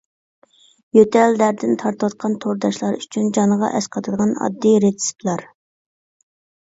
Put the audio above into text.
يۆتەل دەردىنى تارتىۋاتقان تورداشلار ئۈچۈن جانغا ئەسقاتىدىغان ئاددىي رېتسېپلار.